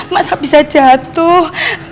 masa bisa jatuh